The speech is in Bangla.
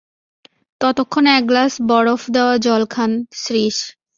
ততক্ষণ এক গ্লাস বরফ-দেওয়া জল খান– শ্রীশ।